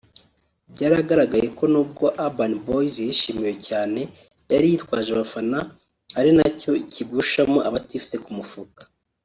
Byagaragaye ko nubwo Urban Boyz yishimiwe cyane yari yitwaje abafana ari nacyo kigushamo abatifite ku mufuka